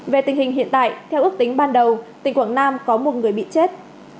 về tình hình hiện tại theo ước tính ban đầu tỉnh quảng nam có một người bị chết